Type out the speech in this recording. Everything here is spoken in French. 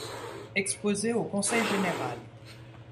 Exposée au Conseil Général.